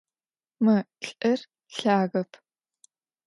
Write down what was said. Mı lh'ır lhagep.